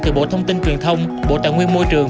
từ bộ thông tin truyền thông bộ tài nguyên môi trường